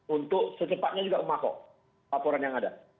untuk secepatnya juga masuk